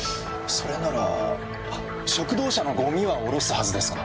それなら食堂車のゴミは降ろすはずですが。